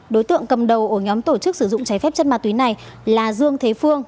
đối tượng cầm đầu ổ nhóm tổ chức sử dụng trái phép chất ma túy này là dương thế phương